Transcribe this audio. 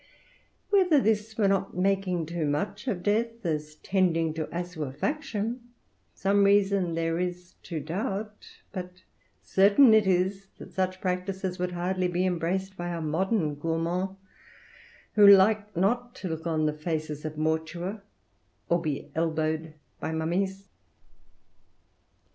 Whether this were not making too much of death, as tending to assuefaction, some reason there is to doubt; but certain it is that such practices would hardly be embraced by our modern gourmands, who like not to look on faces of mortua, or be elbowed by mummies.